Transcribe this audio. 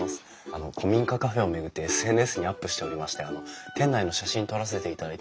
あの古民家カフェを巡ってＳＮＳにアップしておりまして店内の写真撮らせていただいてもよろしいですか？